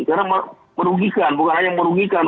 karena merugikan bukan hanya merugikan